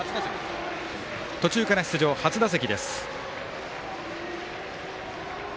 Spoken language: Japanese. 途中から出場、初打席。